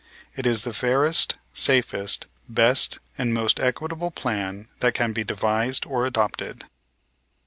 It is the fairest, safest, best, and most equitable plan that can be devised or adopted.